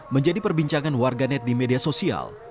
menjadi perbincangan warganet di media sosial